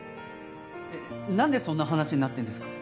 なんでそんな話になってるんですか？